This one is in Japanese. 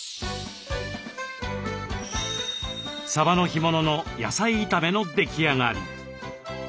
サバの干物の野菜炒めの出来上がり。